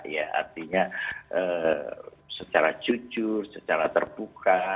ya artinya secara jujur secara terbuka